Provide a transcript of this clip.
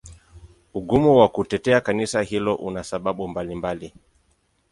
Ugumu wa kutetea Kanisa hilo una sababu mbalimbali.